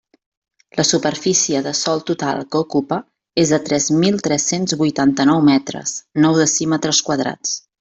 La superfície de sòl total que ocupa és de tres mil tres-cents vuitanta-nou metres, nou decímetres quadrats.